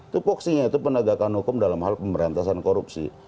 tupoksinya itu penegakan hukum dalam hal pemberantasan korupsi